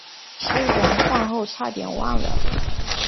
吃完饭后差点忘了